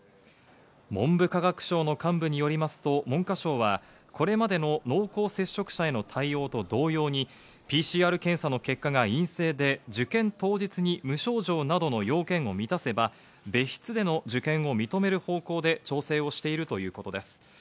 文部科学省の幹部によりますと文科省は、これまでの濃厚接触者への対応と同様に、ＰＣＲ検査の結果が陰性で受験当日に無症状などの要件を満たせば別室での受験を認める方向で調整をしているということです。